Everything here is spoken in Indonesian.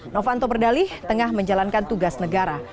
novanto berdalih tengah menjalankan tugas negara